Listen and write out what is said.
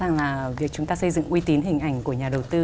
rõ ràng là việc chúng ta xây dựng uy tín hình ảnh của nhà đầu tư